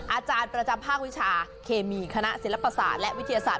อาจารย์ประจำภาควิชาเคมีคณะศิลปศาสตร์และวิทยาศาสต